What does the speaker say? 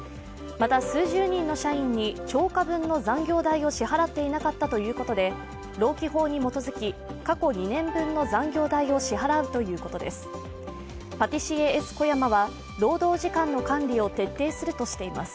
また、数十人の社員に超過分の残業代を支払っていなかったということで、労基法に基づき、過去２年分の残業代を支払うということです。